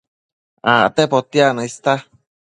Acte potiacno ista